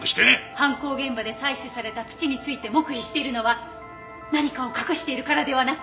犯行現場で採取された土について黙秘しているのは何かを隠しているからではなく。